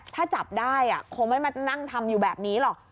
ถ้าจับได้คงไม่มานั่งทำอยู่แบบนี้หรอก